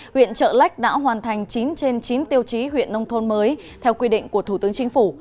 huyện trợ lách đã hoàn thành chín trên chín tiêu chí huyện nông thôn mới theo quy định của thủ tướng chính phủ